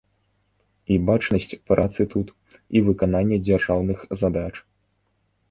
І бачнасць працы тут, і выкананне дзяржаўных задач.